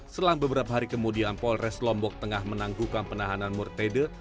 selang beberapa hari kemudian polres lombok tengah menanggukan penahanan murtede